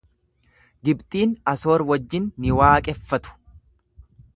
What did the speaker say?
Gibxiin Asoor wajjin ni waaqeffatu.